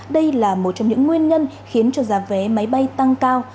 đây là một trong những nguyên nhân khiến cho giá vé máy bay tăng cao